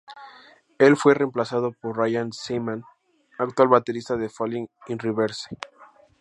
Él fue reemplazado por Ryan Seaman, actual baterista de Falling in Reverse.